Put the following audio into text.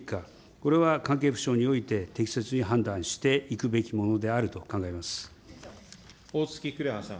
これは関係府省において、適切に判断していくべきものであると考おおつき紅葉さん。